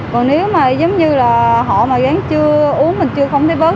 còn nếu mà giống như là họ mà dán chưa uống mình chưa không thấy bớt